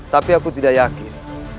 tapi aku tidak yakin